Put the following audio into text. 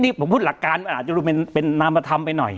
นี่ผมพูดหลักการมันอาจจะเป็นนามธรรมไปหน่อย